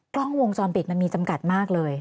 กล้องวงจรปิดมันมีจำกัดมากเลย